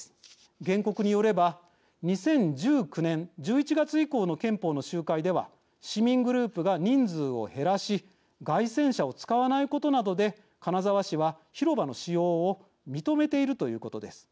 原告によれば２０１９年１１月以降の憲法の集会では、市民グループが人数を減らし街宣車を使わないことなどで金沢市は広場の使用を認めているということです。